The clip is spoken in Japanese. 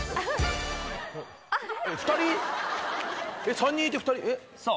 ２人⁉３人いて２人えっ？